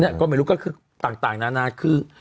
ก็ไม่รู้ก็คือต่างนานาคือ